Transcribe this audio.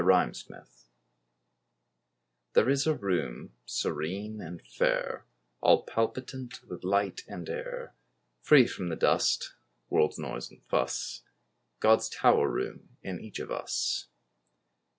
THE TOWER ROOM There is a room serene and fair, All palpitant with light and air; Free from the dust, world's noise and fuss— God's Tower room in each of us.